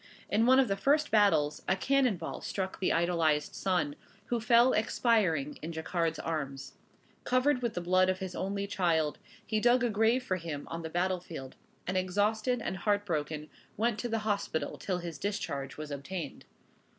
In one of the first battles a cannon ball struck the idolized son, who fell expiring in Jacquard's arms. Covered with the blood of his only child, he dug a grave for him on the battle field; and exhausted and heart broken went to the hospital till his discharge was obtained.